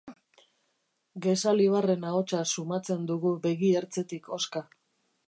Gesalibarren ahotsa sumatzen dugu begi ertzetik hoska.